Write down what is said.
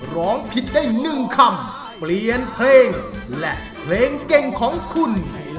ร้องผิดได้๑คำเปลี่ยนเพลงและเพลงเก่งของคุณ